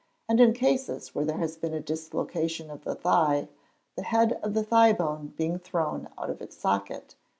And in cases where there has been a dislocation of the thigh, the head of the thigh bone being thrown out of its socket, (Fig.